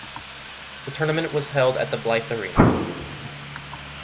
The tournament was held at the Blyth Arena.